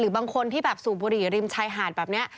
บางคนที่แบบสูบบุหรี่ริมชายหาดแบบนี้